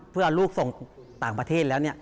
เพื่อเอาลูกส่งต่างประเทศแล้ว